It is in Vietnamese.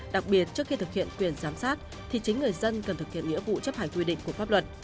đặc biệt trước khi thực hiện quyền giám sát thì chính người dân cần thực hiện nghĩa vụ chấp hành quy định của pháp luật